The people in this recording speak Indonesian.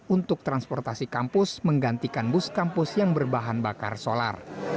untuk transportasi kampus menggantikan bus kampus yang berbahan bakar solar